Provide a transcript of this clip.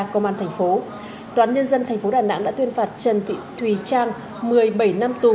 cơ quan thành phố đà nẵng đã tuyên phạt trần thùy trang một mươi bảy năm tù